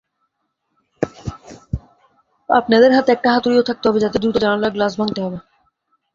আপনাদের হাতে একটা হাতুড়িও থাকতে হবে, যাতে দ্রুত জানালার গ্লাস ভাঙতে হবে।